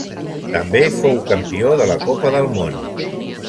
També fou campió de la Copa del Món.